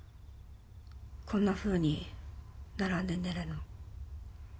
こんなふうに並んで寝るの。